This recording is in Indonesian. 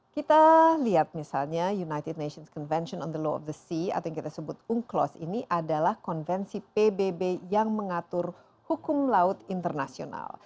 kita lihat misalnya united nations convention on the law of the sea atau yang kita sebut unclos ini adalah konvensi pbb yang mengatur hukum laut internasional